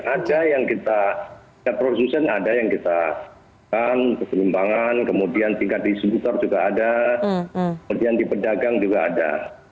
ada yang kita tingkat produsen ada yang kita kan keseimbangan kemudian tingkat distributor juga ada kemudian di pedagang juga ada